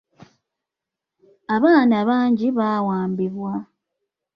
Abaana bangi baawambibwa.